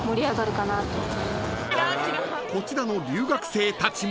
［こちらの留学生たちも］